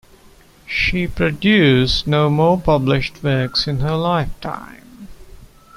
She produced no more published works in her lifetime.